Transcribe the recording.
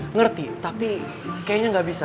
ngerti tapi kayaknya nggak bisa